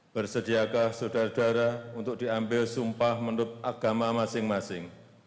bersediakah saudara saudara untuk diambil sumpah menurut agama masing masing